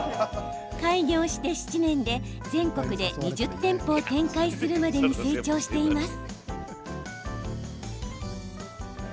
開業して７年で全国で２０店舗を展開するまでに成長しています。